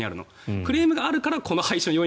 クレームがあるからこの廃止の要因